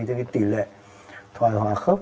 thì cái tỷ lệ thoại hòa khớp